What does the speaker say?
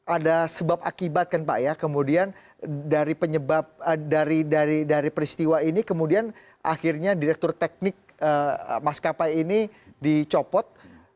ada sebab akibat kan pak ya kemudian dari peristiwa ini kemudian akhirnya direktur teknik mas kapai ini dicopot